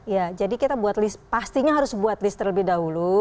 ya jadi kita buat list pastinya harus buat list terlebih dahulu